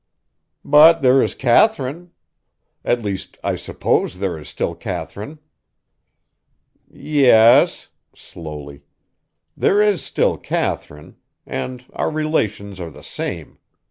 "But there is Katharine. At least, I suppose, there is still Katharine?" "Yes," slowly, "there is still Katharine; and our relations are the same.